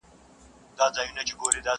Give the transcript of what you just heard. ووایه رویباره پیغامونو ته به څه وایو،